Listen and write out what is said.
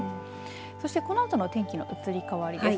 そしてこのあとの天気の移り変わりです。